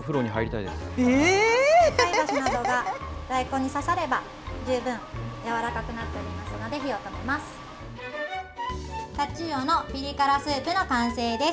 菜箸などが大根に刺されば十分やわらかくなっておりますので火を止めます。